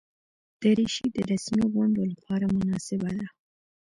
دریشي د رسمي غونډو لپاره مناسبه ده.